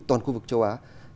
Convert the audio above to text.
toàn khu vực châu á